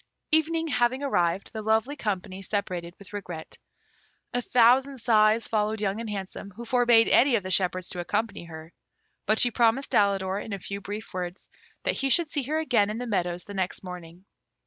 Evening having arrived, the lovely company separated with regret. A thousand sighs followed Young and Handsome, who forbade any of the shepherds to accompany her; but she promised Alidor, in a few brief words, that he should see her again in the meadows the next morning.